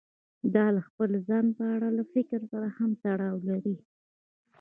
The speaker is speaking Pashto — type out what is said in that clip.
دا له خپل ځان په اړه له فکر سره هم تړاو لري.